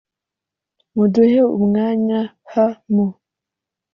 muduhe umwanya h mu